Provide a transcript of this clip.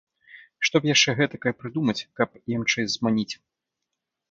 Што б яшчэ гэтакае прыдумаць, каб ямчэй зманіць.